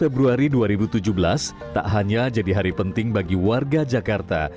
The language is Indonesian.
tiga februari dua ribu tujuh belas tak hanya jadi hari penting bagi warga jakarta